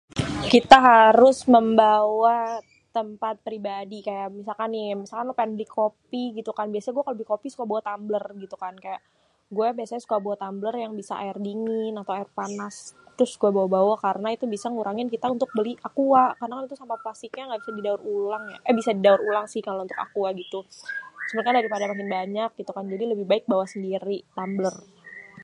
Kita harus membawa tempat pribadi ke misalkan beli kopi biasenyé gué kalo beli kpi suka bawa tambler gitu kan gué biasenya suka bawa tambler yang bisa aér dingin atau aér panas tuh suka gue bawa-bawa karna kan bisa kita untuk ngurangin untuk beli aqua karna itu sampah pelastiknya tidak bisa didaur ulang, eh bisa didaur ulang si, kalo aqua gitu cuma kan dari pada kalo makin banyak gitukan jadi lebih baik bawa sendiri tambler.